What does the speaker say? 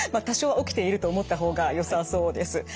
多少は起きていると思った方がよさそうです。